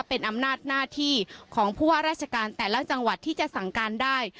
เป็นอำนาจหน้าที่ของผู้ว่าราชการแต่ละจังหวัดที่จะสั่งการได้